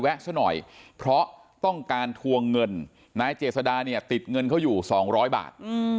ซะหน่อยเพราะต้องการทวงเงินนายเจษดาเนี่ยติดเงินเขาอยู่๒๐๐บาท